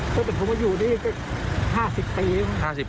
ก็แต่ผมก็อยู่นี่ก็๕๐ปี